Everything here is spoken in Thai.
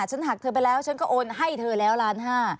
ฉันหักเธอไปแล้วฉันก็โอนให้เธอแล้วล้านห้า